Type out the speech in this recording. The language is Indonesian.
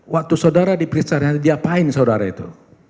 waktu saudara diperiksa diantara dia apaan saudara itu